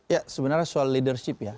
ya sebenarnya soal leadership ya